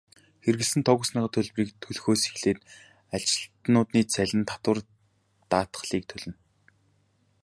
Хэрэглэсэн тог, усныхаа төлбөрийг төлөхөөс эхлээд ажилтнуудын цалин, татвар, даатгалыг төлнө.